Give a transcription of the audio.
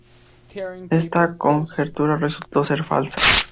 Esta conjetura resultó ser falsa.